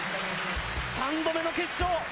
３度目の決勝。